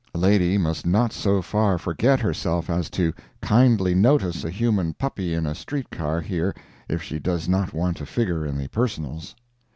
A lady must not so far forget herself as to "kindly notice" a human puppy in a street car here if she does not want to figure in the "Personals."